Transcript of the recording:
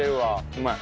うまい。